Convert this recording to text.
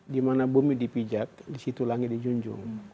di mana bumi dipijak di situ langit dijunjung